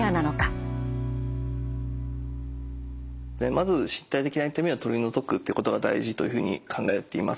まず身体的な痛みを取り除くということが大事というふうに考えています。